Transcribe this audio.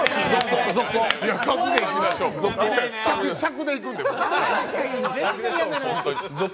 尺でいくんで、僕。